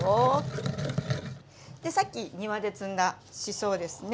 でさっき庭で摘んだしそですね。